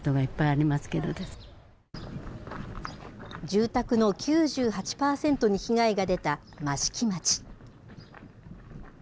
住宅の９８％に被害が出た益城町。